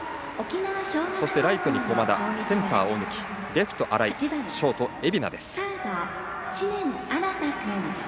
そしてライトに駒田センター大貫、レフトに新井ショート、蝦名です。